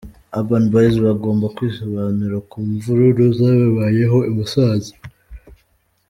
Urban Boyz bagomba kwisobanura ku mvururu zababayeho i Musanze.